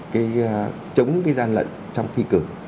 cái chống cái gian lận trong thi cực